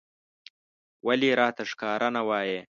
ولې راته ښکاره نه وايې